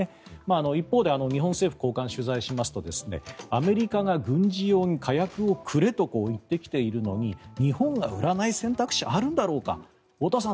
一方で日本政府高官を取材しますとアメリカが軍事用に火薬をくれと言ってきているのに日本が売らない選択肢はあるんだろうか太田さん